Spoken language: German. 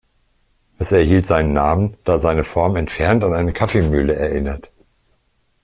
Es erhielt seinen Namen, da seine Form entfernt an eine Kaffeemühle erinnert.